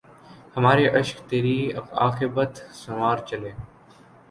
ہمارے اشک تری عاقبت سنوار چلے